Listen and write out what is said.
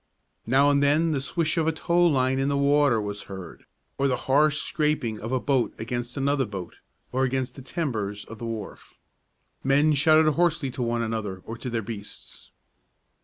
Now and then the swish of a tow line in the water was heard, or the harsh scraping of a boat against another boat or against the timbers of the wharf. Men shouted hoarsely to one another or to their beasts.